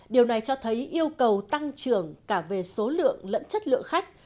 điều này cho thấy yêu cầu tăng trưởng cả về số lượng lẫn chất lượng khách